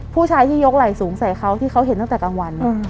ผู้ชายที่ยกไหล่สูงใส่เขาที่เขาเห็นตั้งแต่กลางวัน